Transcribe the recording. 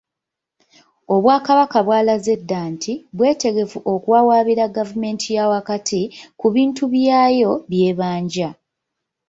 Obwakabaka bw'alaze dda nti bwetegefu okuwawaabira Gavumenti yaawakati ku bintu byayo by'ebbanja